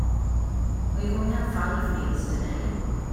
You've only had five meals today.